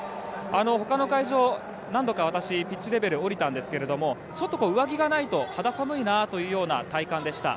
他の会場、何度か私ピッチレベルに降りたんですがちょっと上着がないと肌寒いなというような体感でした。